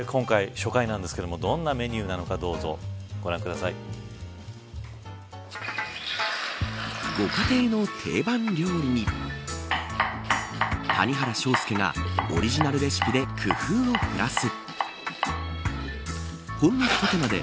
今回、初回なんですけどどんなメニューなのかご家庭の定番料理に谷原章介がオリジナルレシピで工夫をプラス。